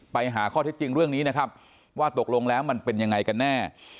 ไปหาข้อเท็จจริงเรื่องนี้นะครับว่าตกลงแล้วมันเป็นยังไงกันแน่